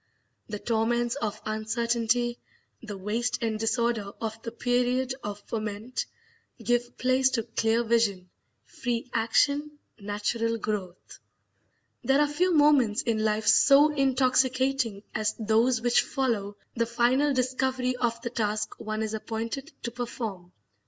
The torments of uncertainty, the waste and disorder of the period of ferment, give place to clear vision, free action, natural growth. There are few moments in life so intoxicating as those which follow the final discovery of the task one is appointed to perform.